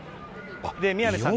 宮根さん